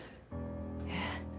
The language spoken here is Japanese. えっ。